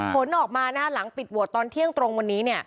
ผลออกมาหลังปิดโหวตตอนเที่ยงตรงวันนี้